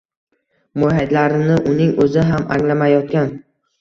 Mohiyatlarini uning o’zi ham anglamayotgan.